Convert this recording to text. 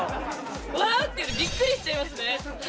笑うっていうより、びっくりしちゃいますね。